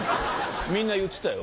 みんな言ってたよ？